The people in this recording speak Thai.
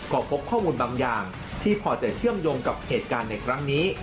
ก็พบข้อมูลบางอย่างที่พอจะเชื่อมโยงกับเหตุการณ์ในครั้งนี้